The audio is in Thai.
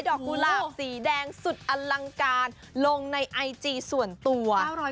กุหลาบสีแดงสุดอลังการลงในไอจีส่วนตัว